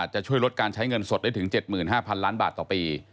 จะช่วยลดการใช้เงินสดได้ถึง๗๕๐๐ล้านบาทต่อปี